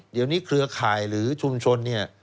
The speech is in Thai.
เดี๋ยวนี้เครือข่ายหรือชุมชนเนี่ย